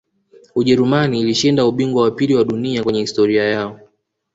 ujerumani ilishinda ubingwa wa pili wa dunia kwenye historia yao